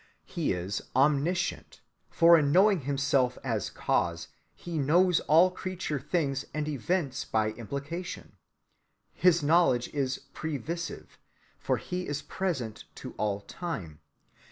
He is omniscient, for in knowing himself as Cause He knows all creature things and events by implication. His knowledge is previsive, for He is present to all time.